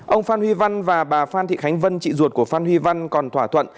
ông phan huy văn và bà phan thị khánh vân chị ruột của phan huy văn còn thỏa thuận